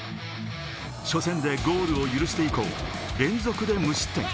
初戦でゴールを許して以降、連続で無失点。